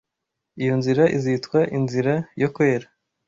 iyo nzira izitwa inzira yo kwera